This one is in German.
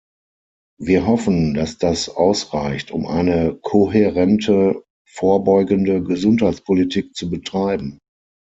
Wir hoffen, dass das ausreicht, um eine kohärente vorbeugende Gesundheitspolitik zu betreiben.